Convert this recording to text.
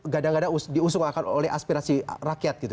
gada gada diusung akan oleh aspirasi rakyat gitu